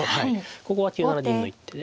ここは９七銀の一手で。